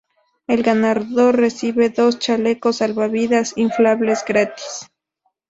El ganador recibe dos chalecos salvavidas inflables gratis.